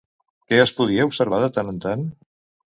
Què es podia observar de tant en tant?